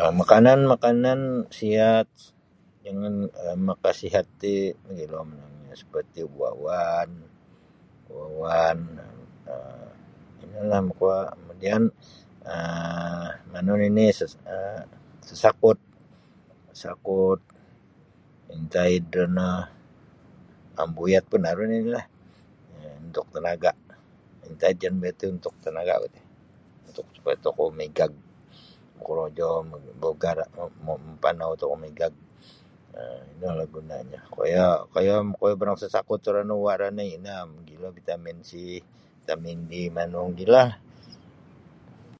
um Makanan-makanan siat jangan makasiat ti magilo monongnyo seperti uwa-uwaan uwa-uwaan ino lah [unintelligible] kamudian um manu nini sas um sasakut sasakut intaid ro no ambuyat pun aru nini lah um untuk tenaga intaid jaan ambuyat ti untuk tenaga bah ti untuk supaya tokou maigag bakorojo [unintelligible] mampanau tokou maigag um ino lah gunanyo koyo koyo barang sasakut uwa ro no ino magilo vitamin C vitamin D manu magilo lah.